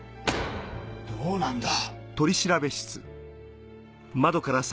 どうなんだ！